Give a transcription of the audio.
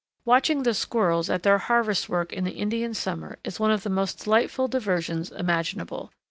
Watching the squirrels at their harvest work in the Indian summer is one of the most delightful diversions imaginable.